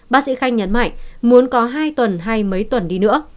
bác sĩ khanh nhấn mạnh muốn có hai tuần hay mấy tuần đi nữa